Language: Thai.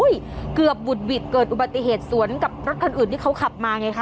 โอ้โหเกือบวุฒิกเกิดอุบัติเหตุสวนกับรถคนอื่นที่เขาขับมาไงฮะ